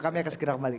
kami akan segera kembali